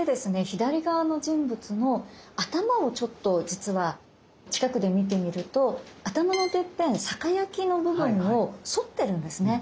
左側の人物の頭をちょっと実は近くで見てみると頭のてっぺん月代の部分をそってるんですね。